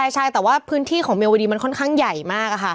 ใช่แต่ว่าพื้นที่ของเมลวดีมันค่อนข้างใหญ่มาก